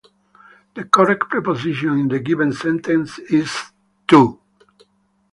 The correct preposition in the given sentence is "to".